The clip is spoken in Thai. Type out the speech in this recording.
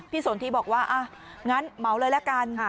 พี่สนทีบอกว่าอ้าวงั้นเหมาะเลยแล้วกัน